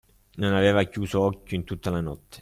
Non aveva chiuso occhio in tutta la notte;